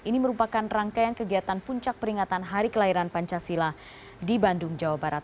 ini merupakan rangkaian kegiatan puncak peringatan hari kelahiran pancasila di bandung jawa barat